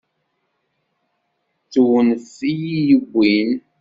D tewnef i yi-yewwin.